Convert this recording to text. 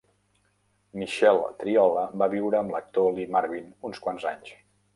Michelle Triola va viure amb l'actor Lee Marvin uns quants anys.